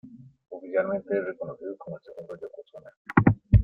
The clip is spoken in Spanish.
Oficialmente es reconocido como el segundo "yokozuna".